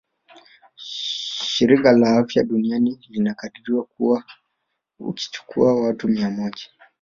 Shirika la afya duniani linakadiria kuwa ukichukua watu mia moja